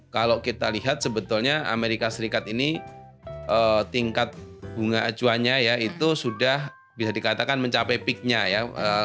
kalau kita lihat sebetulnya amerika serikat ini tingkat bunga acuannya ya itu sudah bisa dikatakan mencapai peaknya ya